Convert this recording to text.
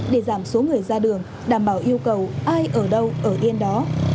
để giảm số người ra đường đảm bảo yêu cầu ai ở đâu ở yên đó